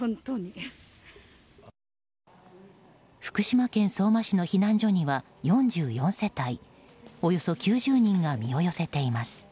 福島県相馬市の避難所には４４世帯およそ９０人が身を寄せています。